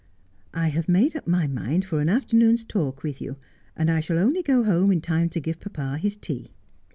' I have made up my mind for an afternoon's talk with you, and I shall only go home in time to give papa his tea.'